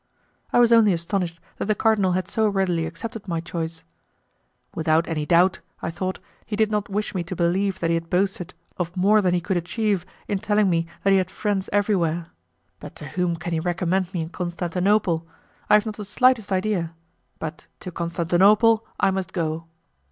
I was only astonished that the cardinal had so readily accepted my choice. "Without any doubt," I thought, "he did not wish me to believe that he had boasted of more than he could achieve, in telling me that he had friends everywhere. But to whom can he recommend me in Constantinople? I have not the slightest idea, but to Constantinople I must go."